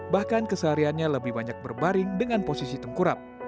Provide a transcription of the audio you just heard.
bahkan kesehariannya lebih banyak berbaring dengan posisi tengkurap